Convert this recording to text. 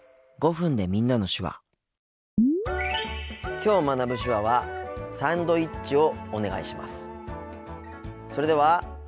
きょう学ぶ手話はそれでは。